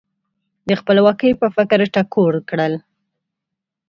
د خپلواکۍ په فکر ټکور کړل.